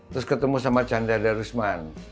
terus ketemu sama chandra darusman